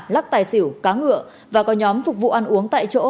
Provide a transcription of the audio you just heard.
lắc tài xỉu cá ngựa và có nhóm phục vụ ăn uống tại chỗ